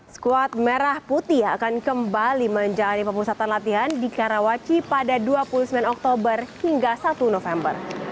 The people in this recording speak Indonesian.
skuad merah putih akan kembali menjalani pemusatan latihan di karawaci pada dua puluh sembilan oktober hingga satu november